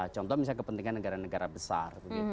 contoh misalnya kepentingan negara negara besar